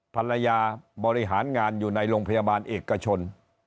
ภรรยาบริหารงานอยู่ในโรงพยาบาลเอกชน